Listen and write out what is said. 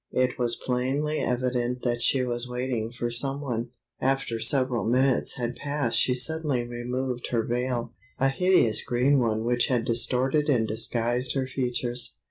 It was plainly evident that she was waiting for some one. After several minutes had passed she suddenly removed her veil—a hideous green one which had distorted and disguised her features.